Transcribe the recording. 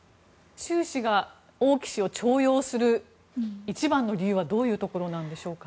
習氏が王毅氏を重用する一番の理由はどういうところでしょうか？